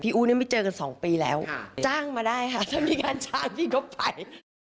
อู๋ไม่เจอกัน๒ปีแล้วจ้างมาได้ค่ะถ้ามีการจ้างนี่ก็ไป